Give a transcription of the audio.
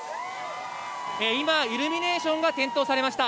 今、イルミネーションが点灯されました。